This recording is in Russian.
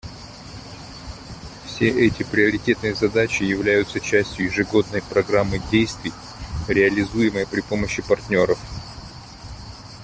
Все эти приоритетные задачи являются частью ежегодной программы действий, реализуемой при помощи партнеров.